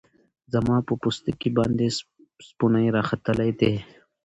زما په پوستکی باندی سپوڼۍ راختلې دی